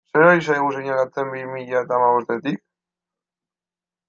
Zer ari zaigu seinalatzen bi mila eta hamabostetik?